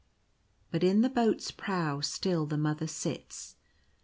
But in the boat's prow still the Mother sits.